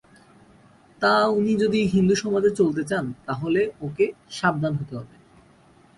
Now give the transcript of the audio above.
তা, উনি যদি হিন্দুসমাজে চলতে চান তা হলে ওঁকে সাবধান হতে হবে।